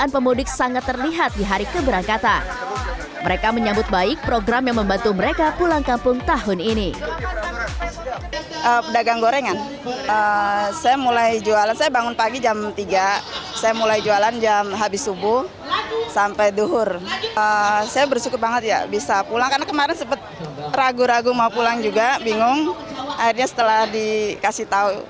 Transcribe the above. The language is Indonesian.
pihaknya turut berkomunikasi